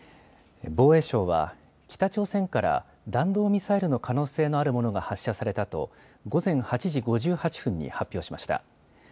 防衛省は北朝鮮から弾道ミサイルの可能性のあるものが発射されたと午前８時５８分に発表しました。